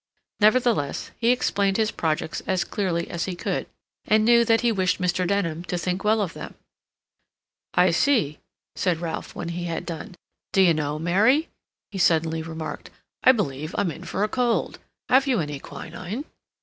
Nevertheless, he explained his projects as clearly as he could, and knew that he wished Mr. Denham to think well of them. "I see," said Ralph, when he had done. "D'you know, Mary," he suddenly remarked, "I believe I'm in for a cold. Have you any quinine?"